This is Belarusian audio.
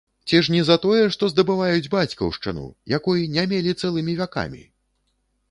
Ці ж не за тое, што здабываюць бацькаўшчыну, якой не мелі цэлымі вякамі?